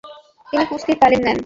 তিনি কুস্তির তালিম নেন।